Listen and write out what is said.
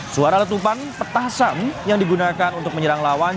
suara letupan petasan yang digunakan untuk menyerang lawan